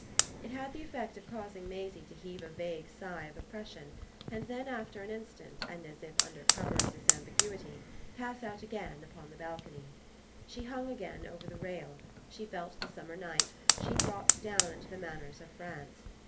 It had the effect of causing Maisie to heave a vague sigh of oppression and then after an instant and as if under cover of this ambiguity pass out again upon the balcony. She hung again over the rail; she felt the summer night; she dropped down into the manners of France.